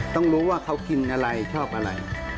ต้องรู้ว่าเขากินอะไรชอบอะไร